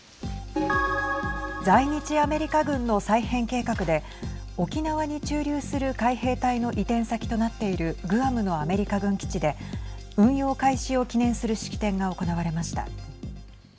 在日アメリカ軍の再編計画で沖縄に駐留する海兵隊の移転先となっているグアムのアメリカ軍基地で運用開始を記念する式典が行われました。